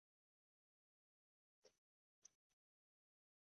Y además, de enigma.